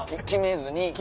決めずに。